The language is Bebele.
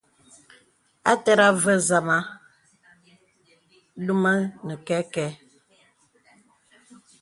A tɛrəŋ à və̀ zamà duma nə kɛkɛ̄.